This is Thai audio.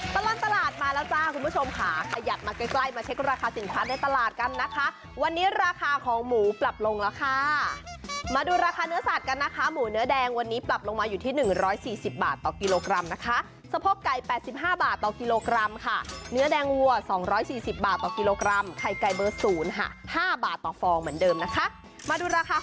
ตลอดตลาดมาแล้วจ้าคุณผู้ชมค่ะขยับมาใกล้ใกล้มาเช็คราคาสินค้าในตลาดกันนะคะวันนี้ราคาของหมูปรับลงแล้วค่ะมาดูราคาเนื้อสัตว์กันนะคะหมูเนื้อแดงวันนี้ปรับลงมาอยู่ที่๑๔๐บาทต่อกิโลกรัมนะคะสะโพกไก่๘๕บาทต่อกิโลกรัมค่ะเนื้อแดงวัว๒๔๐บาทต่อกิโลกรัมไข่ไก่เบอร์ศูนย์ค่ะห้าบาทต่อฟองเหมือนเดิมนะคะมาดูราคา